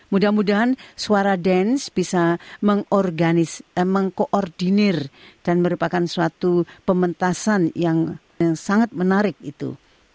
mudah mudahan suara dance bisa mengkoordinir dan merupakan suatu pementasan yang sangat menarik itu